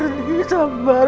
sambar nih sambar